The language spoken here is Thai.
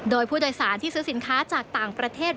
โดยผู้โดยสารที่ซื้อสินค้าจากต่างประเทศ